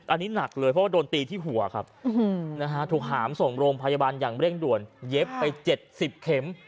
อันนี้หนักเลยเพราะว่าโดนตีที่หัวครับถูกหามส่งโรงพยาบาลอย่างเร่งด่วนเย็บไป๗๐เข็ม